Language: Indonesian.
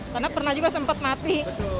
karena pernah juga sempat mati